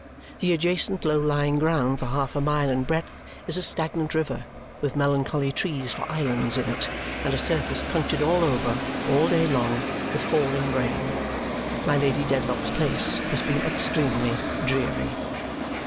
The adjacent low lying ground for half a mile in breadth is a stagnant river with melancholy trees for islands in it and a surface punctured all over, all day long, with falling rain. My Lady Dedlock's place has been extremely dreary.